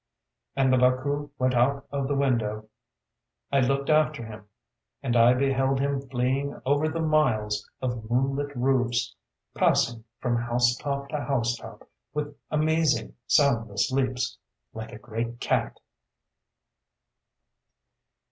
And the Baku went out of the window. I looked after him; and I beheld him fleeing over the miles of moonlit roofs, passing, from house top to house top, with amazing soundless leaps, like a great cat....